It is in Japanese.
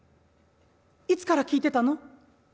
いつから聞いてたの？」。